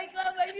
baiklah mba ivi